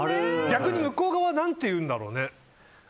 逆に向こう側は何て言うんだろうね。